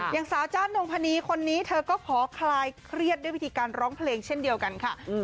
อย่างสาวจ้านนงพนีคนนี้เธอก็ขอคลายเครียดด้วยวิธีการร้องเพลงเช่นเดียวกันค่ะ